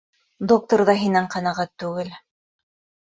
Доктор ҙа һинән ҡәнәғәт түгел.